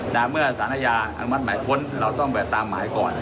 แต่เมื่อสารอาญาอนุมัติหมายค้นเราต้องแบบตามหมายก่อน